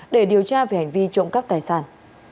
để điều tra về hành vi trộm cắp tài sản